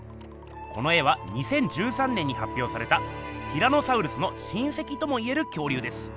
この絵は２０１３年にはっぴょうされたティラノサウルスの親せきともいえる恐竜です。